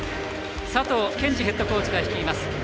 佐藤賢次ヘッドコーチが率います。